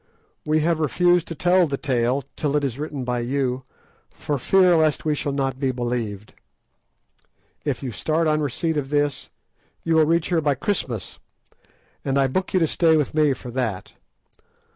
We have refused to tell the tale till it is written by you, for fear lest we shall not be believed. If you start on receipt of this you will reach here by Christmas, and I book you to stay with me for that.